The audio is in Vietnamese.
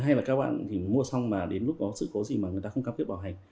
hay là các bạn thì mua xong mà đến lúc có sự cố gì mà người ta không cam kết bảo hành